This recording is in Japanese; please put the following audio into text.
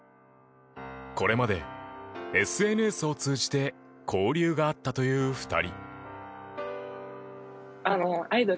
これまでＳＮＳを通じて交流があったという２人。